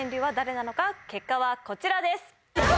結果はこちらです。